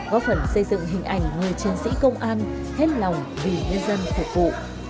góp phần xây dựng hình ảnh người chiến sĩ công an hết lòng vì nhân dân phục vụ